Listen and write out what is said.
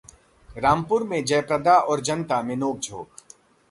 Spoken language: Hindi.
रामपुर में जयप्रदा और जनता में नोकझोंक